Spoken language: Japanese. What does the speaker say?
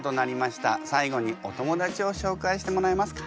最後にお友達を紹介してもらえますか？